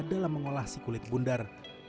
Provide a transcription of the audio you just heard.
dalam mengolah si kulit bundar